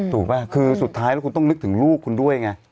ป่ะคือสุดท้ายแล้วคุณต้องนึกถึงลูกคุณด้วยไง